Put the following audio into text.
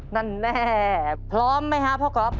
นั่นแน่พร้อมไหมครับพ่อก๊อฟ